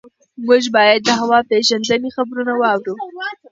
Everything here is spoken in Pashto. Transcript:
موږ باید د هوا پېژندنې خبرونه واورو.